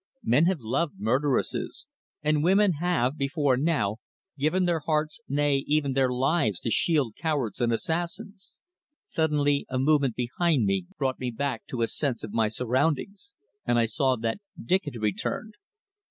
Men have loved murderesses, and women have, before now, given their hearts, nay, even their lives, to shield cowards and assassins. Suddenly a movement behind me brought me back to a sense of my surroundings, and I saw that Dick had returned.